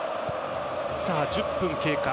１０分経過。